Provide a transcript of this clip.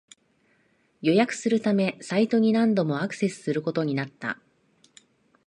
予約するためサイトに何度もアクセスすることになった